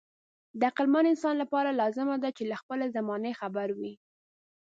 د عقلمن انسان لپاره لازمي ده چې له خپلې زمانې خبر وي.